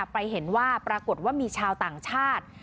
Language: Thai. ไปเห็นว่าปรากฏว่ามีชาวต่างชาติ